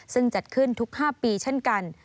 ซึ่งจัดขึ้นทุก๕ปีเช่นกัน